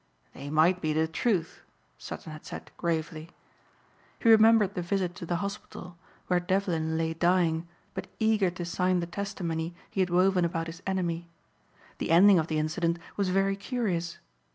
"They might be the truth," Sutton had said gravely. He remembered the visit to the hospital where Devlin lay dying but eager to sign the testimony he had woven about his enemy. The ending of the incident was very curious.